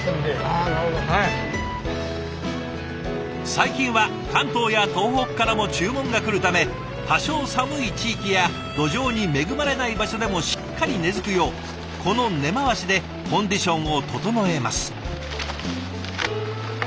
最近は関東や東北からも注文が来るため多少寒い地域や土壌に恵まれない場所でもしっかり根づくようこの根回しでコンディションを整えます。